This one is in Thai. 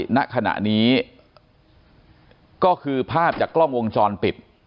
ณขณะนี้ก็คือภาพจากกล้องวงจรปิด